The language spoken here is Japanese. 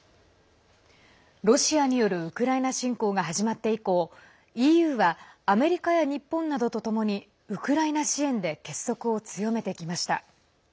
ロシアによるウクライナ侵攻が始まって以降ＥＵはアメリカや日本などとともにウクライナ支援で結束を強めてきました。